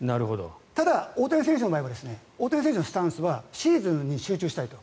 ただ、大谷選手の場合は大谷選手のスタンスはシーズンに集中したいと。